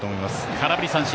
空振り三振。